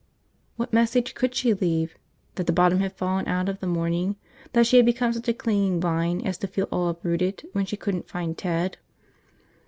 What message could she leave – that the bottom had fallen out of the morning, that she had become such a clinging vine as to feel all uprooted when she couldn't find Ted?